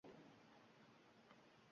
Kechiring, biz noraso avlod.